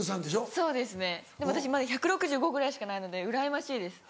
そうですねでも私１６５ぐらいしかないのでうらやましいです。